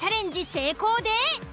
成功で。